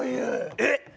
えっ。